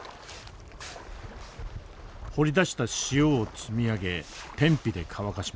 掘り出した塩を積み上げ天日で乾かします。